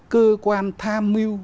cơ quan tham mưu